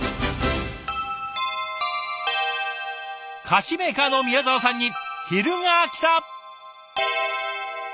菓子メーカーの宮澤さんに昼がきた！